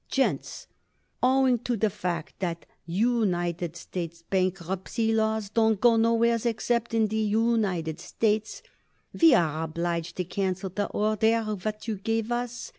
"Gents: Owing to the fact that the U nited States bankruptcy laws don't go nowheres except in the U nited States, we are obliged to cancel the order what you give us.